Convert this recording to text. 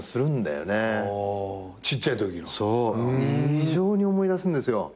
異常に思い出すんですよ。